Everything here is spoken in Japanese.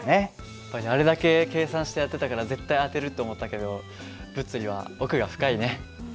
やっぱやるだけ計算してやってたから絶対当てるって思ったけど物理は奥が深いね。